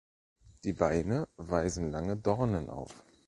Die Beine weisen lange Dornen auf.